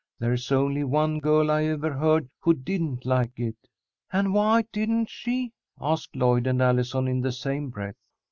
There's only one girl I ever heard of who didn't like it." "And why didn't she?" asked Lloyd and Allison, in the same breath.